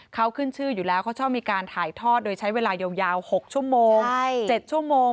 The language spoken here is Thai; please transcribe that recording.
เขาขึ้นชื่ออยู่แล้วเขาชอบมีการถ่ายทอดโดยใช้เวลายาว๖ชั่วโมง๗ชั่วโมง